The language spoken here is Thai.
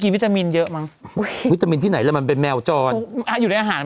วิตามินเยอะมั้งวิตามินที่ไหนแล้วมันเป็นแมวจรอยู่ในอาหาร